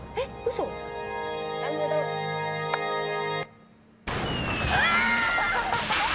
嘘⁉うわ！